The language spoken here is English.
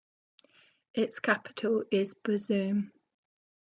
Its capital is Bozoum.